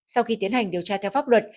sau khi tiến hành điều tra theo pháp luật